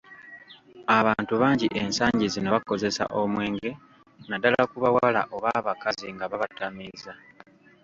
Abantu bangi ensangi zino bakozesa omwenge naddala ku bawala oba abakazi nga babatamiiza.